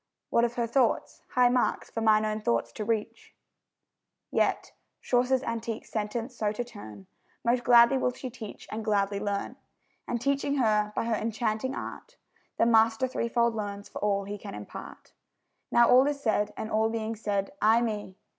What of her thoughts, high marks for mine own thoughts to reach? Yet (Chaucer's antique sentence so to turn), Most gladly will she teach, and gladly learn; And teaching her, by her enchanting art, The master threefold learns for all he can impart. Now all is said, and all being said, aye me!